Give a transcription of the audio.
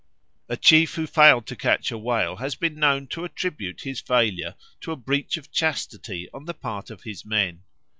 A chief who failed to catch a whale has been known to attribute his failure to a breach of chastity on the part of his men.